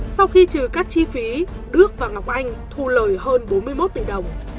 sau khi trừ các chi phí đức và ngọc anh thu lời hơn bốn mươi một tỷ đồng